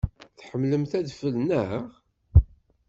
Tḥemmleḍ adfel, naɣ?